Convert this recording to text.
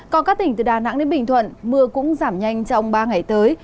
còn các tỉnh từ đà nẵng đến bình thuận mưa cũng giảm nhanh trong ba ngày tới